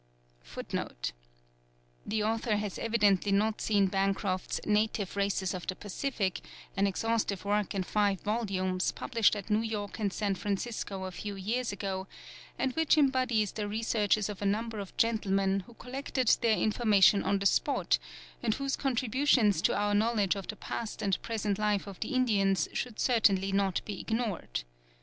[Footnote 2: The author has evidently not seen Bancroft's "Native Races of the Pacific," an exhaustive work in five volumes, published at New York and San Francisco a few years ago, and which embodies the researches of a number of gentlemen, who collected their information on the spot, and whose contributions to our knowledge of the past and present life of the Indians should certainly not be ignored.